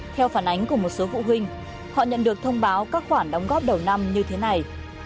theo phản ánh của một số phụ huynh họ nhận được thông báo các khoản đóng góp đầu năm như thế này